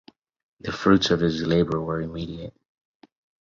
The fruits of his labor were immediate.